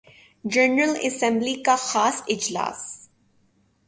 general assembly کا خاص اجلاس